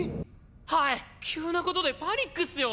はい急なことでパニックっすよ！